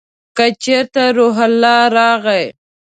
که چېرته روح الله راغی !